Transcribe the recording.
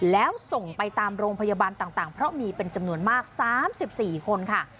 แล้วส่งไปตามโรงพยาบาลต่างเพราะมีเป็นจำนวนมาก๓๔คนค่ะ